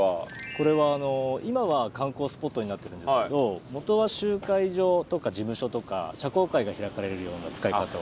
これは今は観光スポットになってるんですけど元は集会場とか事務所とか社交会が開かれるような使い方を。